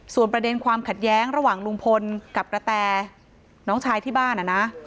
ส่วนประเด็นความขัดแย้งระหว่างลุงพลกับกระแตน้องชายที่บ้านนะ